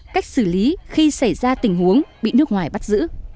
cách xử lý khi xảy ra tình huống bị nước ngoài bắt giữ